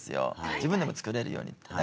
自分でも作れるようにってね。